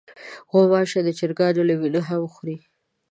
غوماشې د چرګانو له وینې هم خوري.